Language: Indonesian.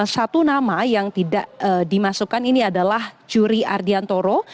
satu nama yang tidak dimasukkan ini adalah juri ardiantoro